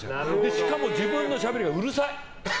しかも自分のしゃべりがうるさい。